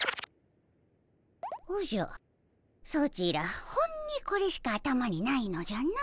おじゃソチらほんにこれしか頭にないのじゃな。